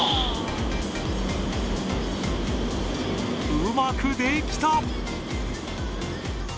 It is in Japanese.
うまくできた！